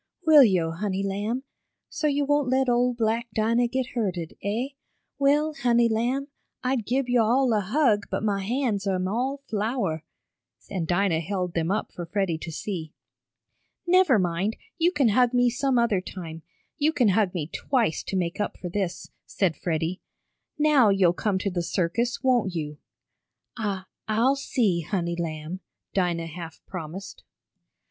"Will yo', honey lamb? So yo' won't let ole black Dinah get hurted, eh? Well, honey, lamb, I'd gib yo' all a hug but mah hands am all flour," and Dinah held them up for Freddie to see. "Never mind, you can hug me some other time you can hug me twice to make up for this," said Freddie. "Now you'll come to the circus, won't you?" "I I'll see, honey lamb," Dinah half promised.